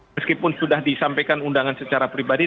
meskipun sudah disampaikan undangan secara pribadi